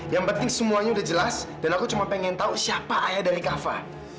yang penting semuanya udah jelas dan aku cuma pengen tahu siapa ayah dari kava